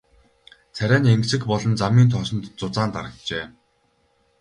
Царай нь энгэсэг болон замын тоосонд зузаан дарагджээ.